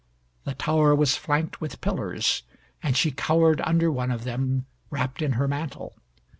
The tower was flanked with pillars, and she cowered under one of them, wrapped in her mantle.